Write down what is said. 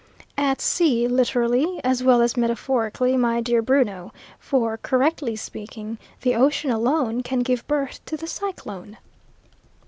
"At sea, literally as well as metaphorically, my dear Bruno; for, correctly speaking, the ocean alone can give birth to the cyclone."